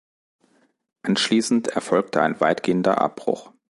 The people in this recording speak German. Anschließend erfolgte ein weitgehender Abbruch.